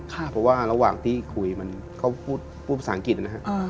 ครับเพราะว่าระหว่างที่คุยมันเขาพูดพูดภาษาอังกฤษนะฮะอ่า